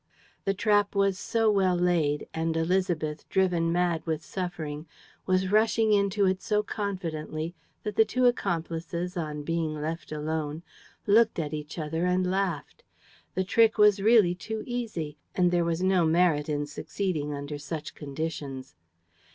The trap was so well laid and Élisabeth, driven mad with suffering, was rushing into it so confidently that the two accomplices, on being left alone, looked at each other and laughed. The trick was really too easy; and there was no merit in succeeding under such conditions.